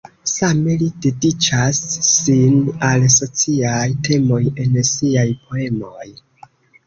Same li dediĉas sin al sociaj temoj en siaj poemoj.